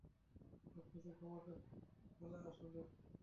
সবকিছুই ক্ষমতার খেলা আসলে।